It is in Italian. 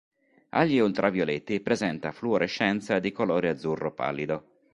Agli ultravioletti presenta fluorescenza di colore azzurro pallido.